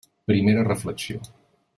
Primera reflexió.